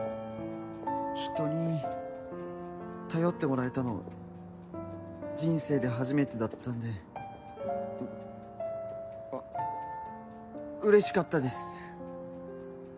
人に頼ってもらえたの人生で初めてだったんであ嬉しかったです